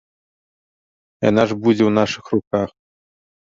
Яна ж будзе ў нашых руках.